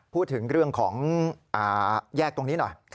พูดถึงเรื่องของแยกตรงนี้หน่อย